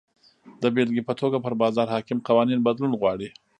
د بېلګې په توګه پر بازار حاکم قوانین بدلون غواړي.